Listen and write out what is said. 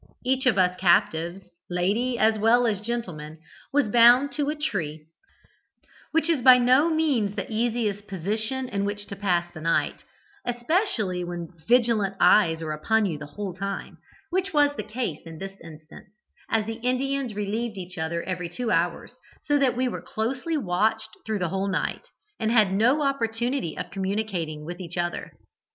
Each of us captives, lady as well as gentleman, was bound to a tree, which is by no means the easiest position in which to pass the night, especially when vigilant eyes are upon you the whole time, which was the case in this instance, as the Indians relieved each other every two hours, so that we were closely watched through the whole night, and had no opportunity of communicating with each other.